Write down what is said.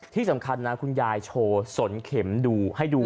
ที่สำคัญนะคุณยายโชว์สนเข็มดูให้ดู